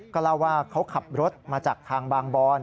ก็เล่าว่าเขาขับรถมาจากทางบางบอน